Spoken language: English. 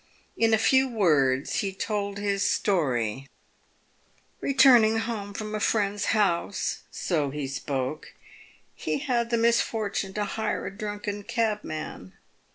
In a few words he told his story :" Returning home from a friend's house," so he spoke, " he had the misfortune to hire a drunken cabman.